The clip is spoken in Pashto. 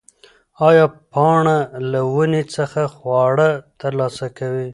ایا پاڼه له ونې څخه خواړه ترلاسه کوي؟